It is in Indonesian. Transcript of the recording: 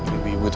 di bibu tuh